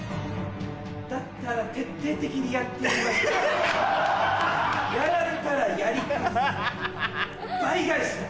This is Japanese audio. だったら徹底的にやってやりましょう。